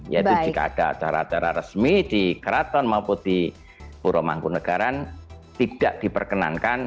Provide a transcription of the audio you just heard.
yaitu jika ada acara acara resmi di keraton maupun di puro mangkunagaran tidak diperkenankan